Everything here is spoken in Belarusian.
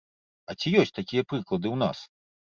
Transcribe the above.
А ці ёсць такія прыклады ў нас?